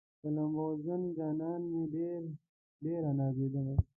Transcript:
په لامبوزن جانان مې ډېره نازېدمه